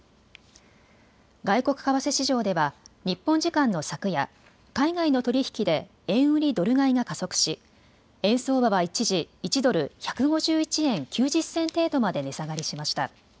外国為替市場では日本時間の昨夜、海外の取り引きで円売りドル買いが加速し円相場は一時１ドル１５１円９０銭程度まで値下がりしました。